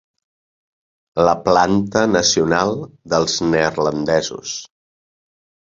La planta nacional dels neerlandesos.